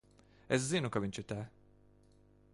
Es zinu, ka viņš ir te.